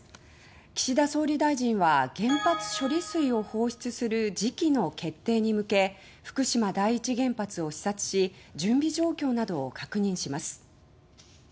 岸田総理大臣は原発処理水を放出する時期の決定に向け福島第１原発を視察し準備状況などを確認します。